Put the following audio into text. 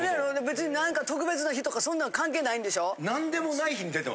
別に何か特別な日とかそんなん関係ないんでしょ？